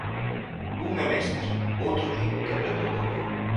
Un é mestre, o outro di que aprendeu del.